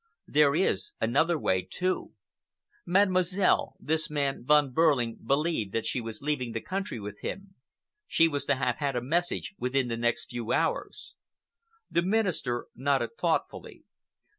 There is another way, too. Mademoiselle—this man Von Behrling believed that she was leaving the country with him. She was to have had a message within the next few hours." The Minister nodded thoughtfully.